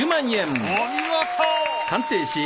お見事！